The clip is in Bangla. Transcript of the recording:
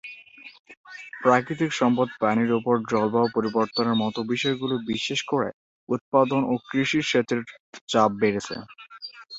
প্রাকৃতিক সম্পদ পানির উপর জলবায়ু পরিবর্তনের মতো বিষয়গুলি বিশেষ করে উৎপাদন ও কৃষি সেচের চাপ বেড়েছে।